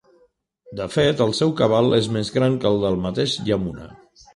De fet, el seu cabal és més gran que el del mateix Yamuna.